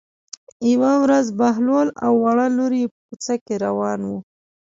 یوه ورځ بهلول او وړه لور یې په کوڅه کې روان وو.